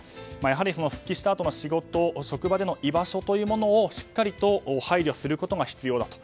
やはり復帰したあとの仕事職場での居場所というものをしっかりと配慮することが必要。